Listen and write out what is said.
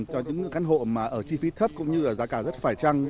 cho những căn hộ mà ở chi phí thấp cũng như là giá cả rất phải trăng